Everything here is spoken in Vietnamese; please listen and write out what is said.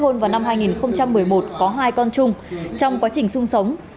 năm hai nghìn một mươi một có hai con chung trong quá trình sung sống